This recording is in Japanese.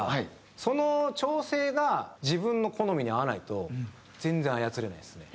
その調整が自分の好みに合わないと全然操れないですね。